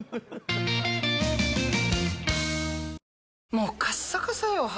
もうカッサカサよ肌。